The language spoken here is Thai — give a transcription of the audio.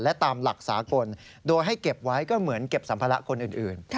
และตามหลักสากลโดยให้เก็บไว้ก็เหมือนเก็บสัมภาระคนอื่น